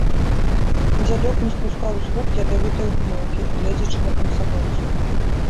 Дзядок не спускаў з губ ядавітай ухмылкі, гледзячы на камсамольцаў.